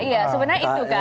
iya sebenarnya itu kan